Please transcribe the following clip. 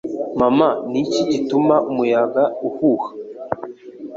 Mama, ni iki gituma umuyaga uhuha?